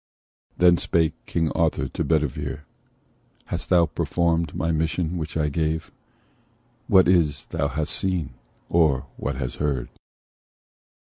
Then spake King Arthur to Sir Bedivere: "Hast thou performed my mission which I gave? What is it thou hast seen? or what hast heard?"